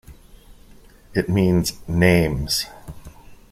It means "Names".